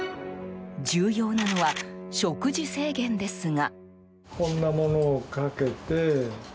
重要なのは食事制限ですが。